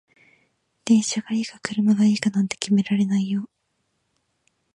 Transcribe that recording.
電車がいいか車がいいかなんて決められないよ